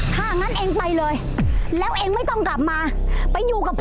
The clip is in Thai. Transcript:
ถ้างั้นเองไปเลยแล้วเองไม่ต้องกลับมาไปอยู่กับพ่อ